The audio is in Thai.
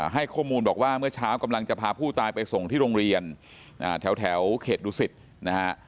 ให้ข้อมูลบอกว่าเมื่อเช้ากำลังจะพาผู้ตายไปส่งที่โรงเรียนแถวเขตดูสิตนะฮะ